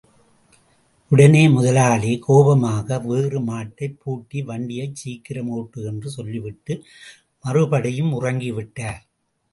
உடனே முதலாளி கோபமாக வேறு மாட்டைப் பூட்டி வண்டியைச் சீக்கிரம் ஒட்டு என்று சொல்லிவிட்டு மறுபடியும் உறங்கிவிட்டார்.